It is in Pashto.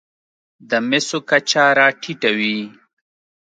د مسو کچه راټېته وي.